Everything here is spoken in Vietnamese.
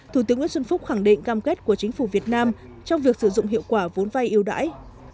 thủ tướng nguyễn xuân phúc khẳng định cam kết của chính phủ việt nam trong việc sử dụng hiệu quả vốn vay yêu đãi